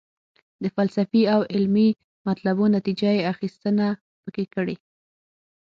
د فلسفي او علمي مطلبونو نتیجه یې اخیستنه پکې کړې.